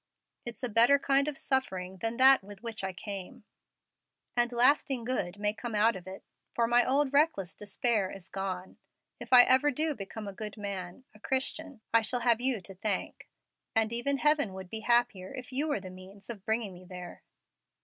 It's a better kind of suffering than that with which I came, and lasting good may come out of it, for my old reckless despair is gone. If I ever do become a good man a Christian I shall have you to thank; and even heaven would be happier if you were the means of bringing me there."